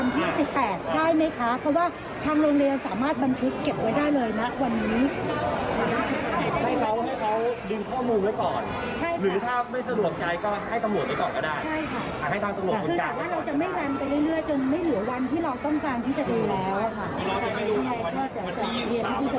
คือถามว่าเราจะไม่กันไปเรื่อยจนไม่เหลือวันที่เราต้องการที่จะได้แล้วค่ะ